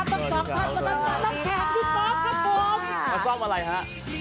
มาซ่อมอะไรครับ